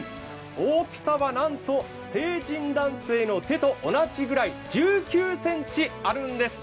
大きさは、なんと成人男性の手と同じぐらい１９ｃｍあるんです。